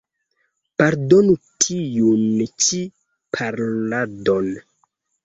Pardonu tiun ĉi paroladon.